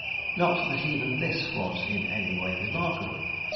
Not that even this was in any way remarkable.